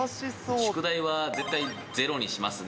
宿題は絶対にゼロにしますね。